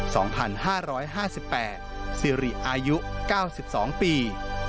ซีรีส์อายุ๙๒ปี